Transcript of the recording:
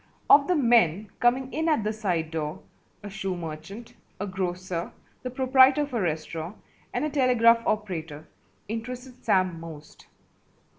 Of the men coming in at the side door, a shoe merchant, a grocer, the proprietor of a restaurant, and a telegraph operator interested Sam most.